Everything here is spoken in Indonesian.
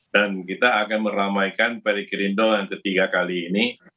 dan kita akan meramaikan perikirindo yang ketiga kali ini